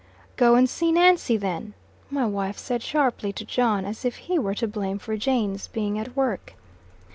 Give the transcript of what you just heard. "Go and see Nancy, then," my wife said, sharply, to John, as if he were to blame for Jane's being at work.